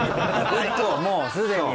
１個もうすでに。